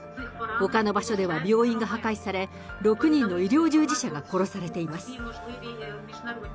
ほかの場所では病院が破壊され、６人の医療従事者が殺されています。